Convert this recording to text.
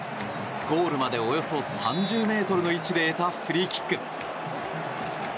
ゴールまで、およそ３０ｍの位置で得たフリーキック。